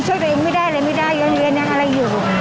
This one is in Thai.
ช่วยก็ไม่ได้ยังเรียนอย่างอะไรอยู่